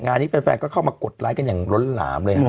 งานนี้แฟนก็เข้ามากดไลค์กันอย่างล้นหลามเลย